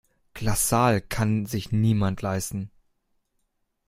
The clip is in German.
Glasaal kann sich niemand leisten.